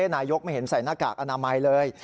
นายกไม่เห็นใส่หน้ากากอนามัยเลย